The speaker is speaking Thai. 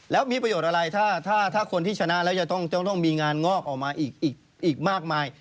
แล้วมีประโยชน์อะไรถ้าคนที่ชนะแล้วจะต้องมีงานงอกออกมาอีกมากมาย